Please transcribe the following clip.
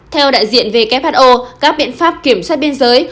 theo đại diện who các biện pháp kiểm soát biên giới